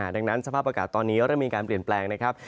ดังนั้นสภาพอากาศตอนนี้เริ่มมีการเปลี่ยนแปลงนะครับ